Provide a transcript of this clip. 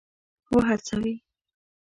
وهڅوي.